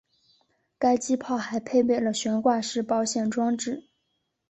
该机炮还配备了悬挂式保险装置。